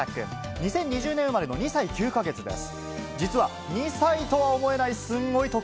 ２０２０年生まれの２歳９か月です。